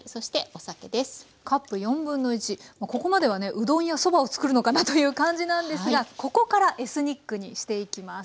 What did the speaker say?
うどんやそばを作るのかなという感じなんですがここからエスニックにしていきます。